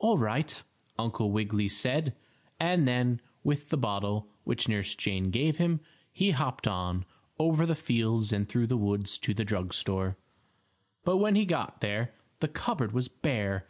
"All right," Uncle Wiggily said, and then, with the bottle, which Nurse Jane gave him, he hopped on, over the fields and through the woods to the drug store. But when he got there the cupboard was bare